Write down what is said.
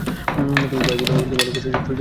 তবে তার ভাইবোনদের অনেকেই শৈশবেই মারা গিয়েছিল।